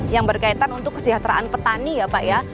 yang berkaitan untuk kesejahteraan petani ya pak ya